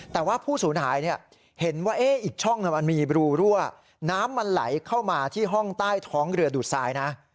แต่ว่าผู้สูญหายเห็นว่าอีกช่องมันมีรูรั่วน้ำมันไหลเข้ามาที่ห้องใต้ท้องเรือดูดทรายนะ